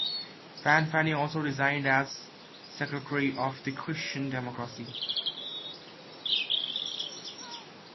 Fanfani also resigned as Secretary of the Christian Democracy.